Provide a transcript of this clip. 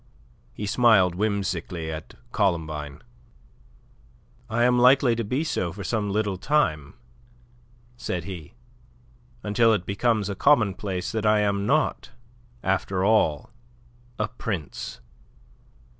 He smiled whimsically at Columbine. "I am likely to be so for some little time," said he, "until it becomes a commonplace that I am not, after all, a prince.